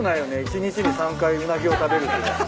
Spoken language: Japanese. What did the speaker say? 一日に３回うなぎを食べるって。